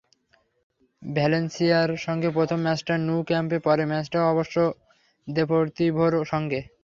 ভ্যালেন্সিয়ার সঙ্গে প্রথম ম্যাচটা ন্যু ক্যাম্পে, পরের ম্যাচটা অবশ্য দেপোর্তিভোর সঙ্গে।